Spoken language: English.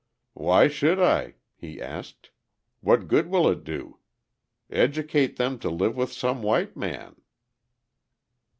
"Why should I?" he asked. "What good will it do? Educate them to live with some white man!"